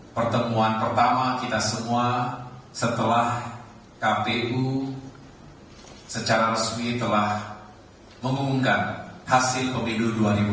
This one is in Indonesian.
pertemuan pertama kita semua setelah kpu secara resmi telah mengumumkan hasil pemilu dua ribu dua puluh